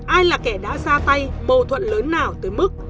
ai là kẻ đã ra tay mâu thuẫn lớn nào tới mức